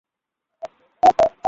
শেষ ইচ্ছা!